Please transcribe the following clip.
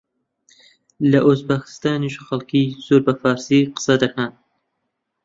لە ئوزبەکستانیش خەڵکێکی زۆر بە فارسی قسە دەکەن